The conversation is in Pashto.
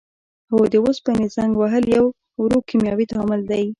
هو د اوسپنې زنګ وهل یو ورو کیمیاوي تعامل دی.